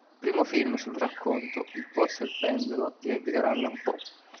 Primo film sul racconto "Il pozzo e il pendolo" di Edgar Allan Poe.